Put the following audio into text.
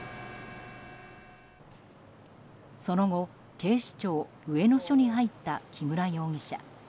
その後、警視庁上野署に入った木村容疑者。